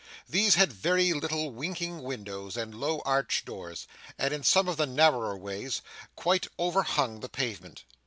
These had very little winking windows, and low arched doors, and, in some of the narrower ways, quite overhung the pavement.